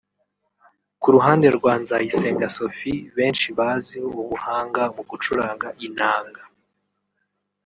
Ku ruhande rwa Nzayisenga Sophie benshi bazih ubuhanga mu gucuranga inanga